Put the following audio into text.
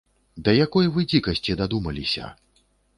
Да якой вы дзікасці дадумаліся!